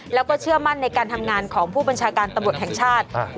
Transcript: แล้วก็เชื่อมั่นในการทำงานของผู้บัญชาการตำรวจแห่งชาติ